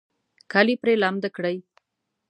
کالي پرې لامده کړئ